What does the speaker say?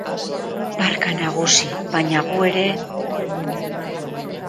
Barka, nagusi, baina gu ere...